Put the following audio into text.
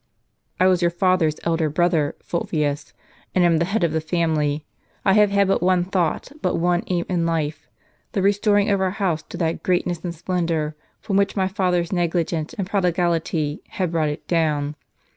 "" I was your father's elder brother, Fulvius, and am the head of the family. I have had but one thought, but one aim in life, the i estoring of our house to that greatness and splen dor, from which my father's negligence and prodigality had brought it down.